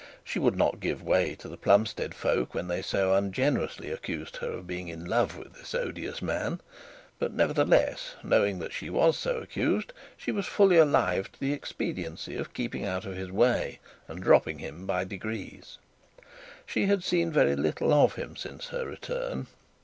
She would not give way to the Plumstead folk when they so ungenerously accused her of being in love with this odious man; but, nevertheless, knowing that she was so accused, she was fully alive to the expediency of keeping out of his way and dropping him by degrees. She had seen very little of him since her return.